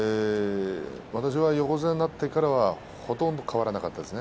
私は横綱になってからはほとんど変わらなかったです。